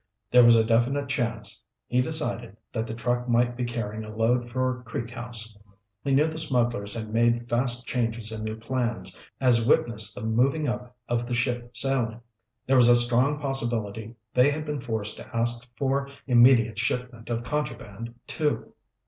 There was a definite chance, he decided, that the truck might be carrying a load for Creek House. He knew the smugglers had made fast changes in their plans, as witness the moving up of the ship sailing. There was a strong possibility they had been forced to ask for immediate shipment of contraband, too.